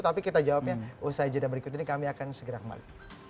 jadi jawabnya usai jeda berikut ini kami akan segera kembali